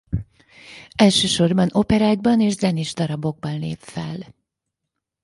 Elsősorban operákban és zenés darabokban lép fel.